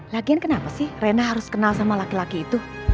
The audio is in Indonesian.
latihan kenapa sih rena harus kenal sama laki laki itu